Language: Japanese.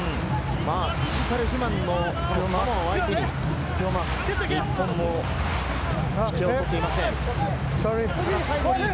フィジカル自慢のサモアを相手に、日本も引けを取っていません。